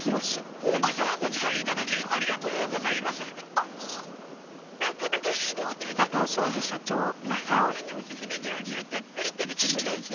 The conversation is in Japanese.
今日はオラのおすすめ料理をたっぷり食べてもらうゾ。